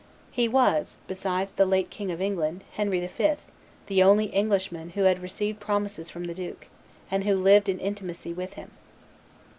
He was, besides the late King of England, Henry V., the only English man who had received promises from the duke, and who lived in intimacy with him.